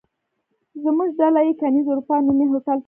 زموږ ډله یې کېنز اروپا نومي هوټل ته وسپارله.